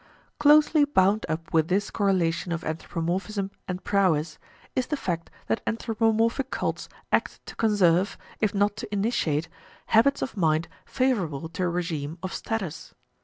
Closely bound up with this correlation of anthropomorphism and prowess is the fact that anthropomorphic cults act to conserve, if not to initiate, habits of mind favorable to a regime of status.